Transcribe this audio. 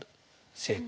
正解。